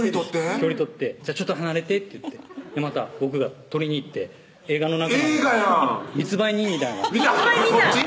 距離取って「離れて」って言ってまた僕が取りに行って映画の中の密売人みたいなそっち？